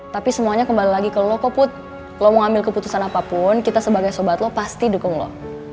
tapi semuanya kembali lagi ke lo kok lo mau ambil keputusan apapun kita sebagai sobat lo pasti dukung lo